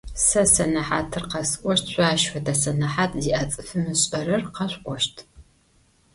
Сэ сэнэхьатыр къэсӏощт, шъо ащ фэдэ сэнэхьат зиӏэ цӏыфым ышӏэрэр къэшъуӏощт.